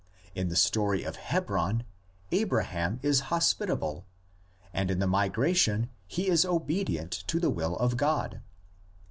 In the story of Hebron, Abraham is hospitable, and in the migration he is obedient to the will of God.